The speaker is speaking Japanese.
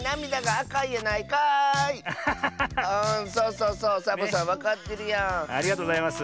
ありがとうございます。